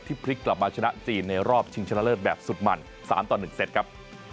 พลิกกลับมาชนะจีนในรอบชิงชนะเลิศแบบสุดมัน๓ต่อ๑เซตครับ